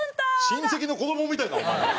親戚の子どもみたいやなお前。